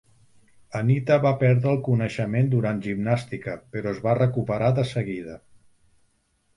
Anita va perdre el coneixement durant gimnàstica, però es va recuperar de seguida.